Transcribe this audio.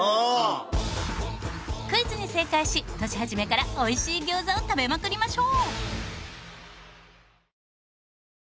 クイズに正解し年始めから美味しい餃子を食べまくりましょう！